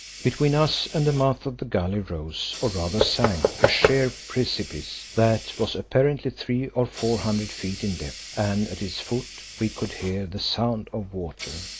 Between us and the mouth of the gulley rose, or rather sank, a sheer precipice that was apparently three or four hundred feet in depth, and at its foot we could hear the sound of water.